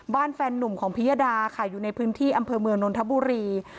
แฟนนุ่มของพิยดาค่ะอยู่ในพื้นที่อำเภอเมืองนนทบุรี